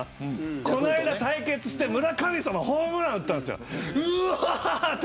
この間、対決して村神様がホームラン打ったんです。